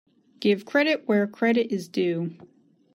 Give credit where credit is due.